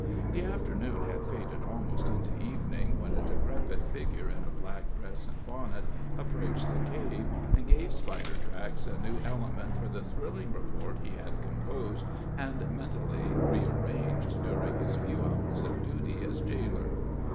The afternoon had faded almost into evening, when a decrepit figure, in a black dress and bonnet, approached the cave, and gave Spidertracks a new element for the thrilling report he had composed and mentally rearranged during his few hours of duty as jailer.